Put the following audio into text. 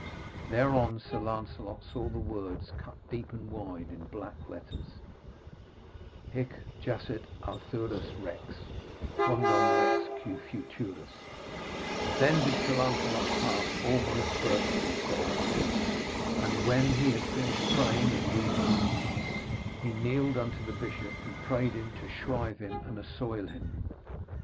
Thereon Sir Lancelot saw the words, cut deep and wide, in black letters: HIC JACET ARTHURUS REX QUONDAM REX QUE FUTURUS Then did Sir Lancelot's heart almost burst with sorrow; and when he had finished praying and weeping, he kneeled unto the bishop and prayed him to shrive him and assoil him.